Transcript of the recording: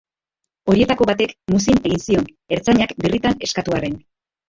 Horietako batek muzin egin zion, ertzainak birritan eskatu arren.